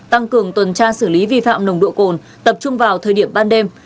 tăng cường tuần tra xử lý vi phạm nồng độ cồn tập trung vào thời điểm ban đêm